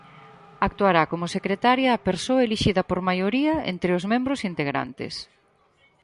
Actuará como secretaria a persoa elixida por maioría entre os membros integrantes.